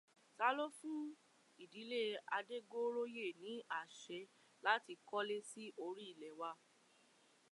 Ta ló fún ìdílé Adégoróyè ní àṣẹ láti kọ́lé sí orí ilẹ̀ wa?